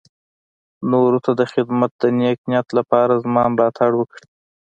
نورو ته د خدمت د نېک نيت لپاره زما ملاتړ وکړي.